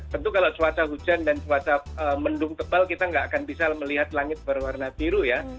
tentu kalau cuaca hujan dan cuaca mendung tebal kita nggak akan bisa melihat langit berwarna biru ya